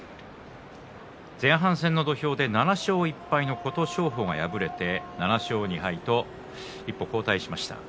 前半戦の土俵で７勝１敗の琴勝峰が敗れて７勝２敗と一歩後退しました。